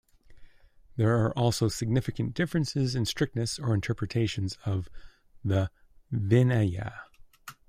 There are also significant differences in strictness or interpretation of the "vinaya".